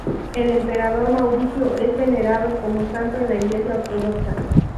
El emperador Mauricio es venerado como santo en la Iglesia ortodoxa.